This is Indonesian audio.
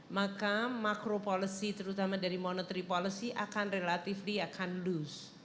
maka makro policy terutama dari monetary policy akan relatively akan lose